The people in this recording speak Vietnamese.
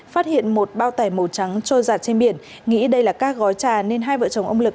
phát hiện một bao tải màu trắng trôi giặt trên biển nghĩ đây là các gói trà nên hai vợ chồng ông lực